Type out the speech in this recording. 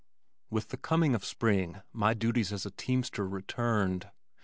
With the coming of spring my duties as a teamster returned.